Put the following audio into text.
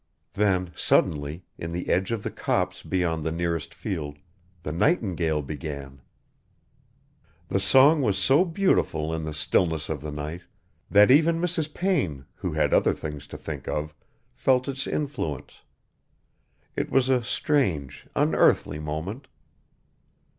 Then suddenly, in the edge of the copse beyond the nearest field, the nightingale began. The song was so beautiful in the stillness of the night that even Mrs. Payne, who had other things to think of, felt its influence. It was a strange, unearthly moment.